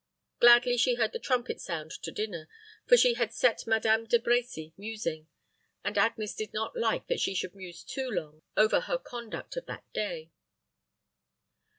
Gladly she heard the trumpet sound to dinner; for she had set Madame De Brecy musing; and Agnes did not like that she should muse too long over her conduct of that day.